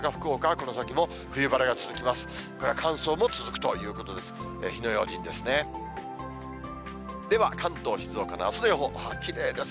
これは乾燥も続くということです。